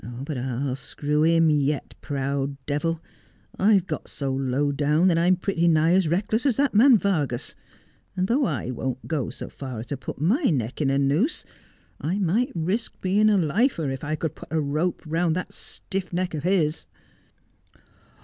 But I'll screw him yet, proud devil. I've got so low down that I'm pretty nigh as reckless as that man Vargas ; and though I won't go so far as to put my neck in a noose, I might risk being a lifer if I could put a rope round that stiff neck of his.'